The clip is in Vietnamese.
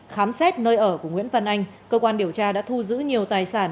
khám xét nơi ở của nguyễn văn anh cơ quan điều tra đã thu giữ nhiều tài sản